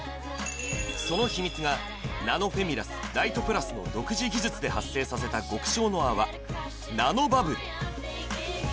その秘密がナノフェミラス・ライトプラスの独自技術で発生させた極小の泡ナノバブル